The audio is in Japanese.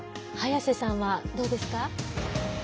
早瀬さんはどうですか？